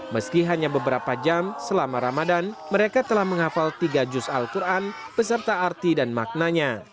meski hanya beberapa jam selama ramadan mereka telah menghafal tiga juz al quran beserta arti dan maknanya